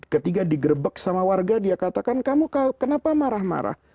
ketika digrebek sama warga dia katakan kamu kenapa marah marah